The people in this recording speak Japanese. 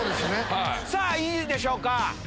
さぁいいでしょうか？